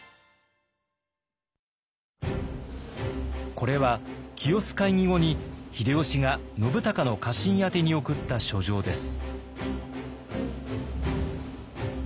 これは清須会議後に秀吉が信孝の家臣宛に送った書状です。